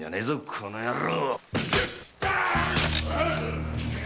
この野郎！